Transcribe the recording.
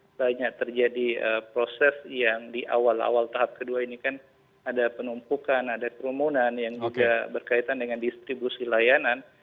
banyak terjadi proses yang di awal awal tahap kedua ini kan ada penumpukan ada kerumunan yang juga berkaitan dengan distribusi layanan